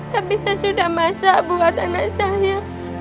tapi saya sudah masak buat anak saya